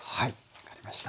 分かりました。